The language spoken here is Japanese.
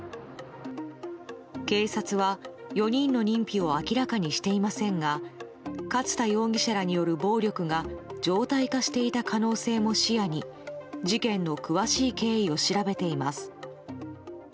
警察は、４人の認否を明らかにしていませんが勝田容疑者らによる暴力が常態化していた可能性も視野に事件の詳しい経緯を調べています。